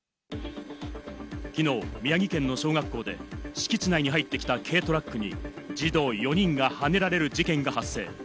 きのう宮城県の小学校で敷地内に入ってきた軽トラックに児童４人がはねられる事件が発生。